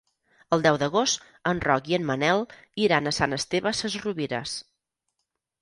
El deu d'agost en Roc i en Manel iran a Sant Esteve Sesrovires.